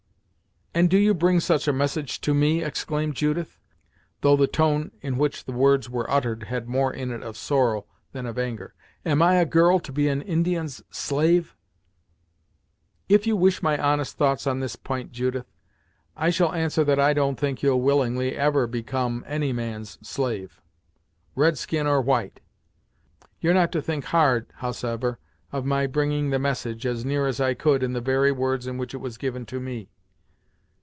"And do you bring such a message to me," exclaimed Judith, though the tone in which the words were uttered had more in it of sorrow than of anger. "Am I a girl to be an Indian's slave?" "If you wish my honest thoughts on this p'int, Judith, I shall answer that I don't think you'll, willingly, ever become any man's slave; red skin or white. You're not to think hard, howsever, of my bringing the message, as near as I could, in the very words in which it was given to me.